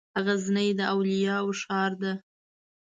غزني د اولياوو ښار ده